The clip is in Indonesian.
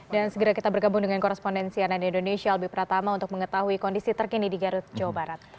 dan segera kita bergabung dengan korespondensi ann indonesia albi pratama untuk mengetahui kondisi terkini di garut jawa barat